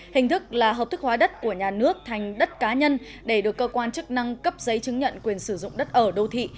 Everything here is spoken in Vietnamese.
hình thức là hợp thức hóa đất của nhà nước thành đất cá nhân để được cơ quan chức năng cấp giấy chứng nhận quyền sử dụng đất ở đô thị